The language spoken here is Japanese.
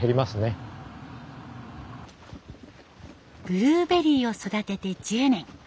ブルーベリーを育てて１０年。